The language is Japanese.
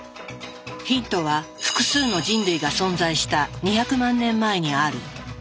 ヒントは複数の人類が存在した２００万年前にある。